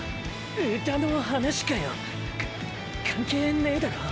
歌の話かよか関係ねェだろ。